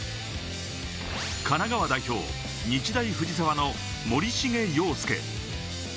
神奈川代表・日大藤沢の森重陽介。